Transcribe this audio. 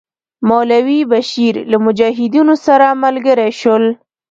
مولوی بشیر له مجاهدینو سره ملګري شول.